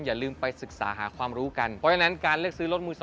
อย่าลืมไปศึกษาหาความรู้กันเพราะฉะนั้นการเลือกซื้อรถมือ๒